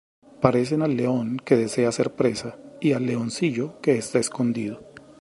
Parecen al león que desea hacer presa, Y al leoncillo que está escondido.